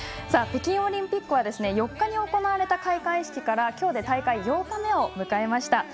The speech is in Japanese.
北京オリンピックは４日に行われた開会式から今日で大会８日目を迎えました。